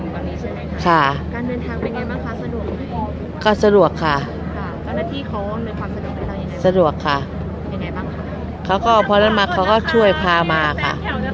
ค่ะค่ะก็สะดวกค่ะสะดวกค่ะเขาก็พอแล้วมาเขาก็ช่วยพามาค่ะ